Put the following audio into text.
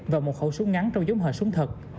và một khẩu súng ngắn trong giống hệ súng thật